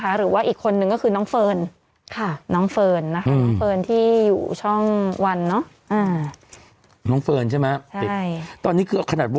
อะไรอย่างเงี้ย